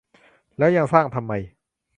แล้วยังสร้างทำไม